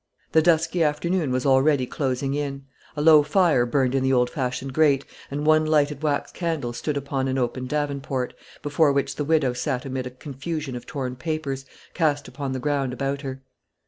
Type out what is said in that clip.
The dusky afternoon was already closing in. A low fire burned in the old fashioned grate, and one lighted wax candle stood upon an open davenport, before which the widow sat amid a confusion of torn papers, cast upon the ground about her.